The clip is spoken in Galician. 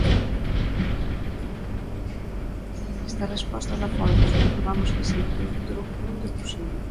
Esta resposta dá folgos, comprobamos que si, que outro mundo é posíbel.